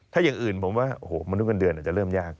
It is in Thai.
ถ้าอย่างอื่นผมว่าโอ้โหมนุษย์เงินเดือนอาจจะเริ่มยาก